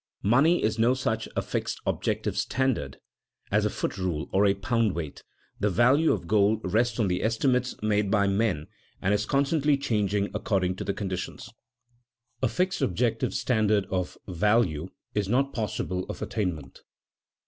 Money is no such a fixed objective standard as a foot rule or a pound weight. The value of gold rests on the estimates made by men, and is constantly changing according to conditions. A fixed objective standard of value is not possible of attainment.